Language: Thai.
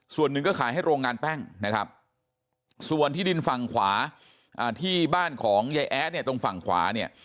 ส่วนหนึ่งก็ขายให้โรงงานแป้งนะครับส่วนที่ดินฝั่งขวาที่บ้านของยายแอดเนี่ยตรงฝั่งขวาเนี่ย